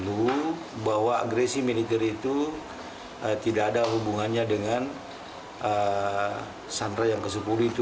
luar bahwa agresi militer itu tidak ada hubungannya dengan sandera yang kesepuluh itu